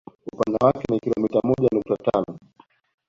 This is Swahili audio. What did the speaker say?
Upana wake ni kilomita moja nukta tano